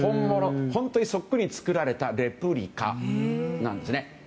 本当にそっくりに作られたレプリカなんですね。